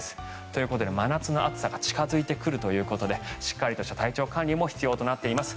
ということで真夏の暑さが近付いてくるということでしっかりとした体調管理も必要となっています。